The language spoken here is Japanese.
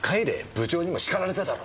部長にも叱られただろ。